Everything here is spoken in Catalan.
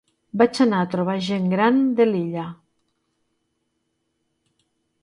vaig anar a trobar gent gran de l'illa